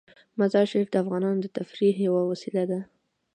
مزارشریف د افغانانو د تفریح یوه وسیله ده.